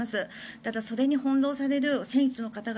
ただそれに翻ろうされる選手の方々